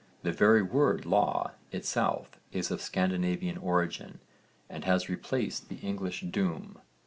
The very word 'law' itself is of Scandinavian origin and has replaced the English 'doom.'